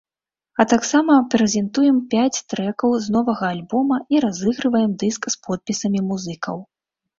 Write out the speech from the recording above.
А таксама прэзентуем пяць трэкаў з новага альбома і разыгрываем дыск з подпісамі музыкаў.